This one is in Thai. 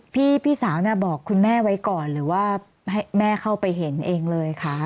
พี่สาวเนี่ยบอกคุณแม่ไว้ก่อนหรือว่าให้แม่เข้าไปเห็นเองเลยคะ